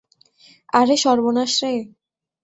আরে সর্বনাশ রে!